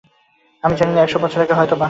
আমি জানি না, একশ বছর আগে, হয়তোবা।